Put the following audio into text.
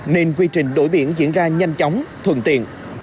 nên quy trình đổi biển diễn ra nhanh chóng thuận tiện